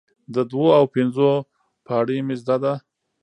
د دوو او پنځو پاړۍ مې زده ده،